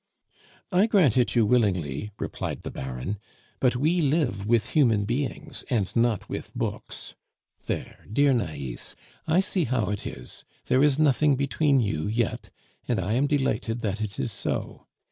"I grant it you willingly," replied the Baron, "but we live with human beings and not with books. There, dear Nais! I see how it is, there is nothing between you yet, and I am delighted that it is so.